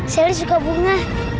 sali suka bunga